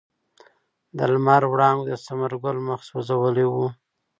د لمر وړانګو د ثمر ګل مخ سوځولی و.